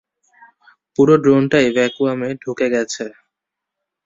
পুরো ড্রোনটাই ভ্যাকুয়ামে ঢুকে গেছে।